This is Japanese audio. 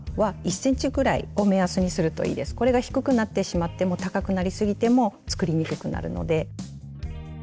これが低くなってしまっても高くなりすぎても作りにくくなるので。